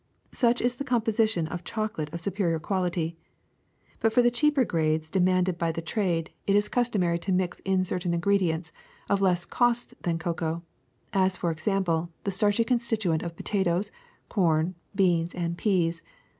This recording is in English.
^^Such is the composition of chocolate of superior quality. But for the cheaper grades demanded by 196 THE SECRET OF EVERYDAY THINGS the trade it is customary to mix in certain ingredi ents of less cost than cocoa, as for example the starchy constituent of potatoes, corn, beans, and peas.